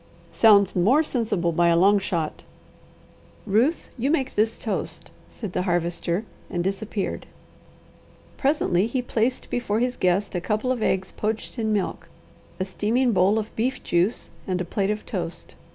"Sounds more sensible by a long shot." "Ruth, you make this toast," said the Harvester and disappeared. Presently he placed before his guest a couple of eggs poached in milk, a steaming bowl of beef juice, and a plate of toast.